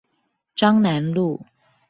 彰南路